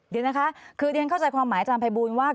เดี๋ยวนะคะคือเดี๋ยวเข้าใจความหมายจำไภบูลว่า